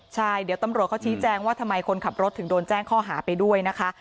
ใช่เดี๋ยวตำรวจเขาชี้แจงว่าทำไมคนขับรถถึงโดนแจ้งข้อหาไปด้วยนะคะ